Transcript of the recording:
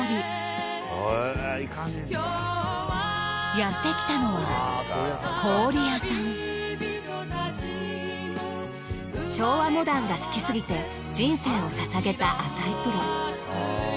やってきたのは昭和モダンが好きすぎて人生を捧げた淺井プロ。